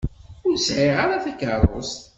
Ur sɛiɣ ara takeṛṛust.